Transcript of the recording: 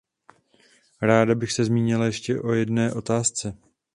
Ráda bych se zmínila ještě o jedné otázce.